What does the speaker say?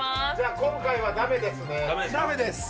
今回はだめですね。